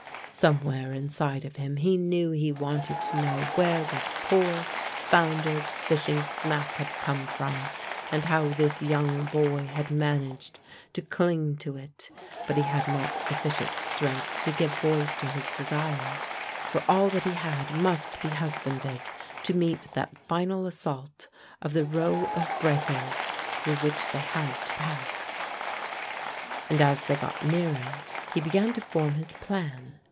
Somewhere inside of him he knew he wanted to know where this poor foundered fishing smack had come from and how this young boy had managed to cling to it, but he had not sufficient strength to give voice to his desire, for all that he had must be husbanded to meet that final assault of the row of breakers through which they had to pass. And as they got nearer, he began to form his plan.